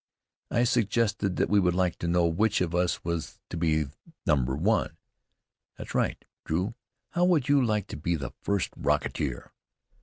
I suggested that we would like to know which of us was to be number 1. "That's right. Drew, how would you like to be the first rocketeer?"